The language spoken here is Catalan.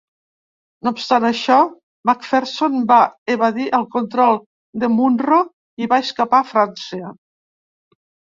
No obstant això, Macpherson va evadir el control de Munro i va escapar a França.